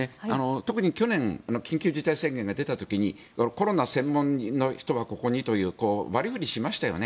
特に去年の緊急事態宣言が出た時にコロナ専門の人はここにという割り振りしましたよね。